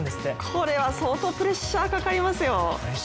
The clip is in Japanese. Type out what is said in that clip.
これは相当プレッシャーがかかりますよ。